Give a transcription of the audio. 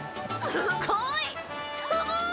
すごーい！